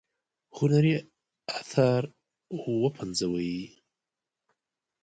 هنري آثار وپنځوي.